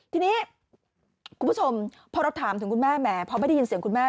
ทีนี้คุณผู้ชมพอเราถามถึงคุณแม่แหมพอไม่ได้ยินเสียงคุณแม่